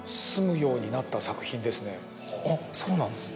あっそうなんですね。